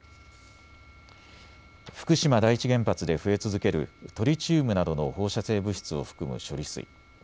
福島第一原発で増え続けるトリチウムなどの放射性物質を含む処理水。